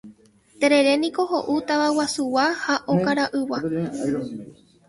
Tereréniko ho'u tavaguasuygua ha okaraygua.